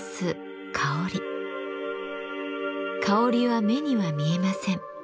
香りは目には見えません。